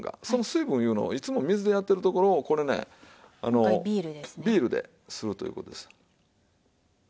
その水分いうのをいつも水でやってるところをこれねビールでするという事です。